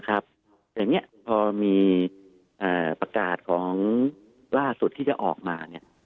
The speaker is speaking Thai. นะครับแต่เนี่ยพอมีประกาศของล่าสุดที่จะออกมาเนี่ย